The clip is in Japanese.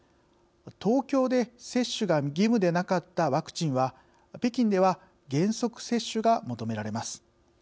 東京で接種が義務でなかったワクチンは北京では原則、接種が求められます。